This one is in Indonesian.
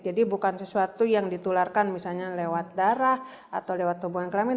jadi bukan sesuatu yang ditularkan misalnya lewat darah atau lewat tubuh yang kelainan